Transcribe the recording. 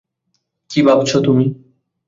কী ভাবছো তুমি?